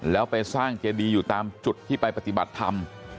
แล้วไปสร้างเจดีอยู่ตามจุดที่ไปปฏิบัติธรรม